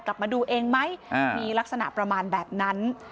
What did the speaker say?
กลับมาดูเองไหมมีลักษณะประมาณแบบนั้น